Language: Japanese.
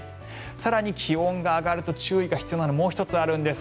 更に、気温が上がると注意が必要なのがもう１つあるんです。